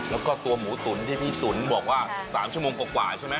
แล้วก็ตัวหมูตุ๋นที่พี่ตุ๋นบอกว่า๓ชั่วโมงกว่าใช่ไหม